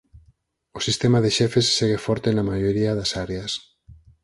O sistema de xefes segue forte na maioría dás áreas.